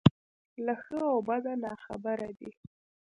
له ښه او بده ناخبره دی.